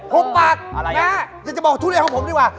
อยากจะบอกทุเรียนของผมดีกว่า